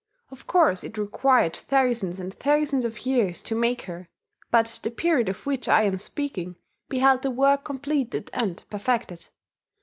Of course it required thousands and thousands of years to make her; but the period of which I am speaking beheld the work completed and perfected.